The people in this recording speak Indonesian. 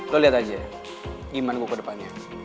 lo lihat aja gimana gue ke depannya